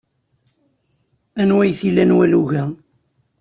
Anwa ay t-ilan walug-a?